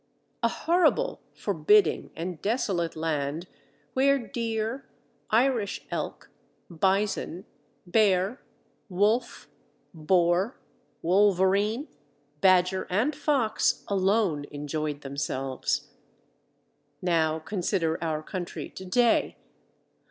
A horrible, forbidding, and desolate land, where Deer, Irish elk, bison, bear, wolf, boar, wolverine, badger, and fox, alone enjoyed themselves. Now consider our country to day.